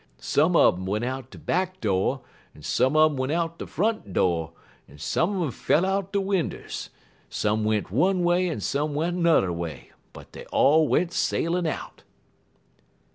Some un um went out de back do', en some un um went out de front do', en some un um fell out de winders; some went one way en some went n'er way; but dey all went sailin' out."